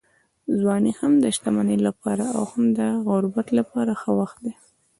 ځواني هم د شتمنۍ لپاره او هم د غربت لپاره ښه وخت دی.